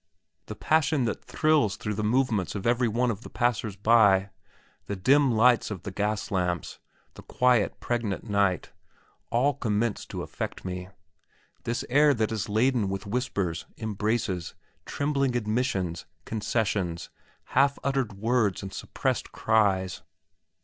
The passion that thrills through the movements of every one of the passers by, the dim light of the gas lamps, the quiet pregnant night, all commence to affect me this air, that is laden with whispers, embraces, trembling admissions, concessions, half uttered words and suppressed cries.